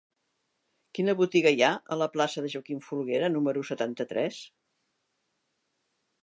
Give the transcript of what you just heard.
Quina botiga hi ha a la plaça de Joaquim Folguera número setanta-tres?